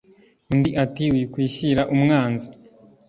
undi ati"wikwishyira umwanzi